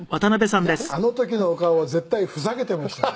「いやあの時のお顔は絶対ふざけていましたね」